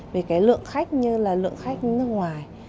vì lượng khách như là lượng khách nước ngoài